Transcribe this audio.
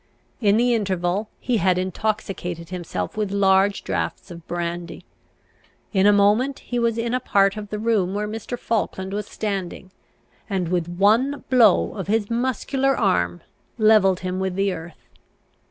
In the interval he had intoxicated himself with large draughts of brandy. In a moment he was in a part of the room where Mr. Falkland was standing, and with one blow of his muscular arm levelled him with the earth.